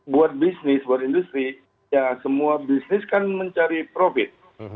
buat bisnis buat industri ya semua bisnis kan mencari profit